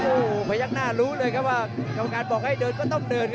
โอ้โหพยักหน้ารู้เลยครับว่าทำด้วยก็ต้องเดินครับ